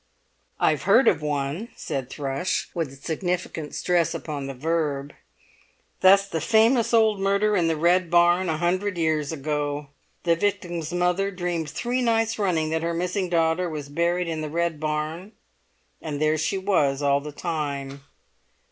"I've heard of one," said Thrush, with a significant stress upon the verb; "that's the famous old murder in the Red Barn a hundred years ago. The victim's mother dreamed three nights running that her missing daughter was buried in the Red Barn, and there she was all the time.